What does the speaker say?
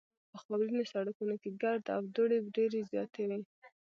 په خاورینو سړکونو کې ګرد او دوړې ډېرې زیاتې وې